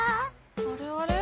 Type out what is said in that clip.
あれあれ？